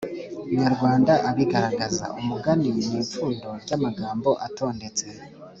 nyarwanda abigaragaza, umugani ni ipfundo ry’amagambo atondetse